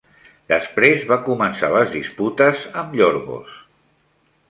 Després va començar les disputes amb Yorghos.